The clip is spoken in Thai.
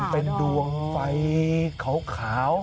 เป็นดวงไฟขาว